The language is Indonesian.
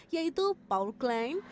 yaitu paul klein